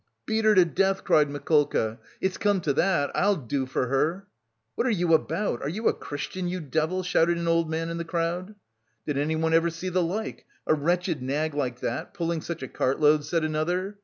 "Beat her to death," cried Mikolka, "it's come to that. I'll do for her!" "What are you about, are you a Christian, you devil?" shouted an old man in the crowd. "Did anyone ever see the like? A wretched nag like that pulling such a cartload," said another.